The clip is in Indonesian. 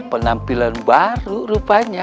pinampilan baru rupanya